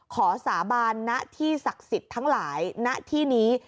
สาบานณที่ศักดิ์สิทธิ์ทั้งหลายณที่นี้